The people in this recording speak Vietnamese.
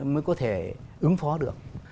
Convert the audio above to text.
mới có thể ứng phó được